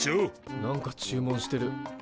なんか注文してる。